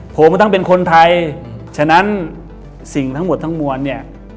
ผมเป็นทั้งคนไทยฉะนั้นสิ่งทั้งหมดทั้งมวล